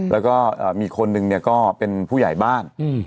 แล้วก็มีคนหนึ่งเนี่ยก็เป็นผู้ใหญ่บ้าน